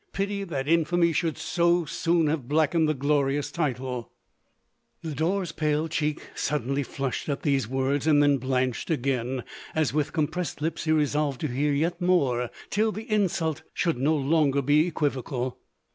Pity that infamy should so soon have blackened the glorious title !" Lodore's pale check suddenly flushed at these words, and then blanched again, as with com pressed lips he resolved to bear vet more, till the insult should no longer be equivocal.